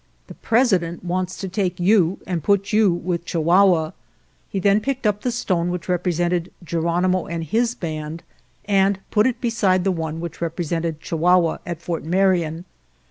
The President wants to take you and put you with Chi huahua.' He then picked up the stone which represented Geronimo and his band 158 SURRENDER OF GERONIMO and put it beside the one which represented Chihuahua at Fort Marion.